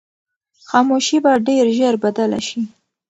خاموشي به ډېر ژر بدله شي.